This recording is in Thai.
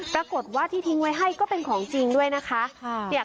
ปรากฏว่าที่ทิ้งไว้ให้ก็เป็นของจริงด้วยนะคะ